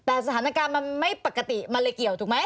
แต่สถานการณ์มันไม่ปกติมันเลยเกี่ยวถูกไหม